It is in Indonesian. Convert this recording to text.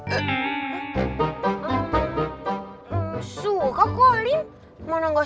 ternyata jadi kurang banget nih quality time nya sama handsome gary